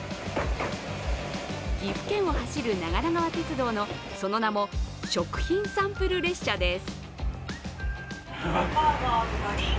岐阜県を走る長良川鉄道のその名も食品サンプル列車です。